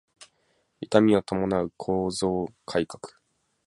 痛みを伴う構造改革